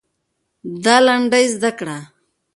دا لنډۍ زده کړه.